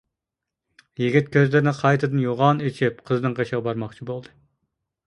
يىگىت كۆزلىرىنى قايتىدىن يوغان ئېچىپ قىزنىڭ قېشىغا بارماقچى بولدى.